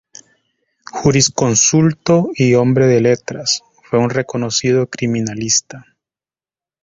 Jurisconsulto y hombre de letras, fue un reconocido criminalista.